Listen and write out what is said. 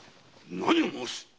何を申す。